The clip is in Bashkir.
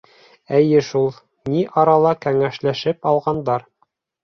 Эйе шул, ни арала кәңәшләшеп алғандар.